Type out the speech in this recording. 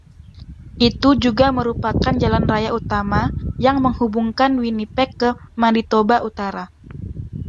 Itu juga merupakan jalan raya utama yang menghubungkan Winnipeg ke Manitoba utara.